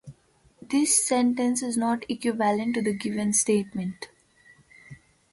This sentence is not equivalent to the given statement.